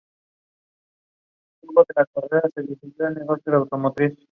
Fue cantante en el Real Monasterio de la Encarnación en Madrid.